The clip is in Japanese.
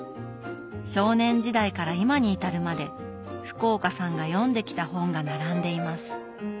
少年時代から今に至るまで福岡さんが読んできた本が並んでいます。